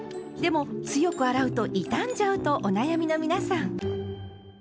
でも強く洗うと傷んじゃうとお悩みの皆さん。